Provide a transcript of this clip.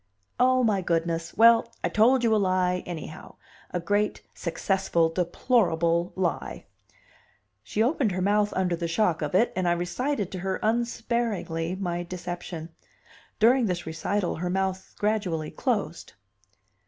"Oh, my goodness! Well, I told you a lie, anyhow; a great, successful, deplorable lie." She opened her mouth under the shock of it, and I recited to her unsparingly my deception; during this recital her mouth gradually closed.